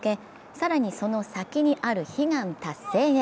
更にその先にある悲願達成へ。